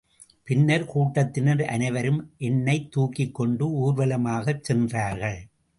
பின்னர் கூட்டத்தினர் அனைவரும் என்னைத் தூக்கிக் கொண்டு ஊர்வலமாகச் சென்றார்கள்.